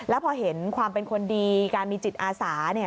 แล้วพอเห็นความเป็นคนดีการมีจิตอาสา